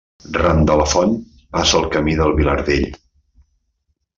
Ran de la font passa el Camí del Vilardell.